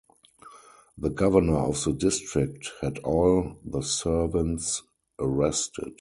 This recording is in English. The governor of the district had all the servants arrested.